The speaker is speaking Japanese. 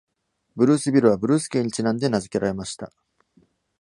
ブルースビルはブルース家にちなんで名付けられました。